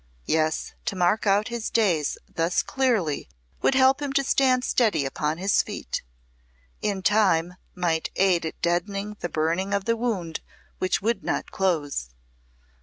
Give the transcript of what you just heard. Yes, to mark out his days thus clearly would help him to stand steady upon his feet in time might aid in deadening the burning of the wound which would not close.